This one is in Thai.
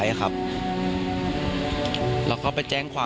รถแสงทางหน้า